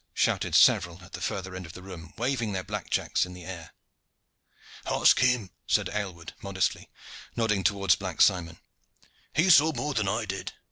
shouted several at the further end of the room, waving their blackjacks in the air. "Ask him!" said Aylward modestly, nodding towards Black Simon. "He saw more than I did.